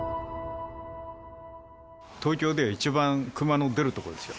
東京では一番クマの出る所ですよ。